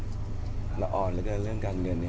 จราอตเรื่องการเงินนี้